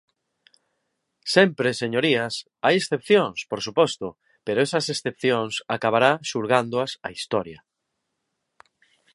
Sempre, señorías, hai excepcións, por suposto, pero esas excepcións acabará xulgándoas a historia.